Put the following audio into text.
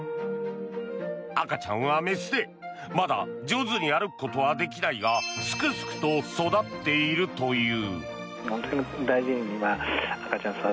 赤ちゃんは雌でまだ上手に歩くことはできないがすくすくと育っているという。